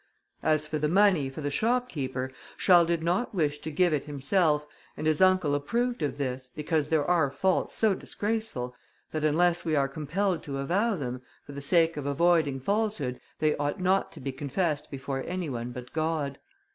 As for the money for the shopkeeper, Charles did not wish to give it himself, and his uncle approved of this, because there are faults so disgraceful, that unless we are compelled to avow them, for the sake of avoiding falsehood, they ought not to be confessed before any one but God.